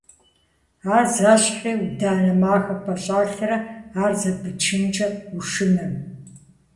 Ар зэщхьри: ӏуданэ махэ пӏэщӏэлърэ ар зэпыпчынкӏэ ушынэм!